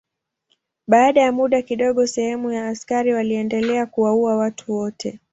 Baada ya muda kidogo sehemu ya askari waliendelea kuwaua watu wote.